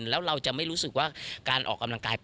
ที่ได้มานี่มาจากการเดินครับ